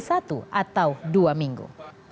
satu atau dua minggu